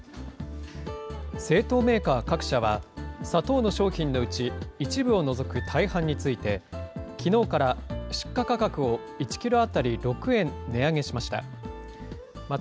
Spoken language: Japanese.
製糖メーカー各社は、砂糖の商品のうち、一部を除く大半について、きのうから出荷価格を１キロ当たり６円値上げしました。